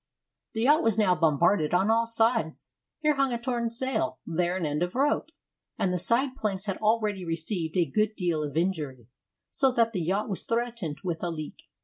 The yacht was now bombarded on all sides. Here hung a torn sail, there an end of rope; and the side planks had already received a good deal of injury, so that the yacht was threatened with a leak.